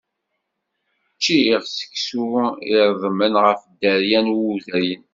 Čččiɣ seksu iṛedmen ɣef dderya n wudayen.